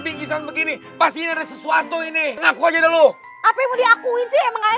bingkisan begini pasti ada sesuatu ini ngaku aja dulu apa yang mau diakuin sih emang